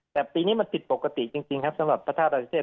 แต่ปีนี้มันผิดปกติจริงครับสำหรับพระธาตุอาริเชษ